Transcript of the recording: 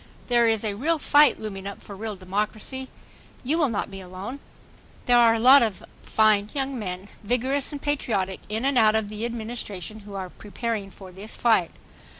There is a real fight looming up for real democracy. You will not be alone. There are a lot of fine young men, vigorous and patriotic, in and out of the Administration who are preparing for this fight.